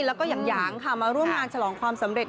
แล้วก็หยางค่ะมาร่วมงานฉลองความสำเร็